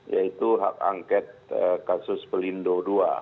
yaitu hak angket kasus pelindo ii